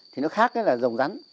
thì nó khác là rồng rắn